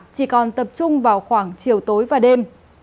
chỉ còn tập trung vào khoảng chiều tối và đêm